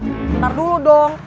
bentar dulu dong